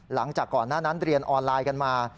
หลังจากก่อนหน้านั้นเรียนออนไลน์กันมา